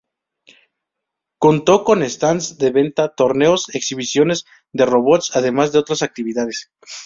Contó con stands de venta, torneos, exhibiciones de robots además de otras actividades.